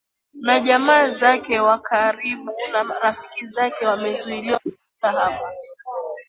na jamaa zake wa karibu na rafiki zake wamezuiliwa kufika hapa